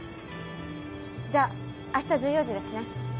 じゃあ明日１４時ですね？